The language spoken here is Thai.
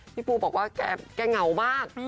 พี่ปูบอกว่าแกเหงามาก